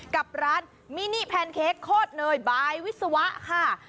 กับร้านมินิแพนเค้กโคตรเนยบายวิศวะค่ะ